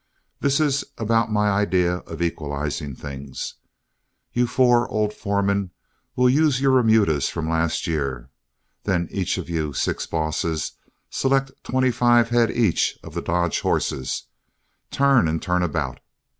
This is about my idea of equalizing things. You four old foremen will use your remudas of last year. Then each of you six bosses select twenty five head each of the Dodge horses, turn and turn about.